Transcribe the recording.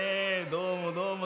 どうもどうも。